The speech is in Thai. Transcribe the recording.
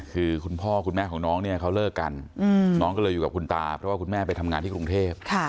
คือคุณพ่อคุณแม่ของน้องเนี่ยเขาเลิกกันน้องก็เลยอยู่กับคุณตาเพราะว่าคุณแม่ไปทำงานที่กรุงเทพ